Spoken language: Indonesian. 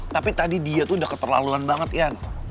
tapi tadi dia tuh udah keterlaluan banget ya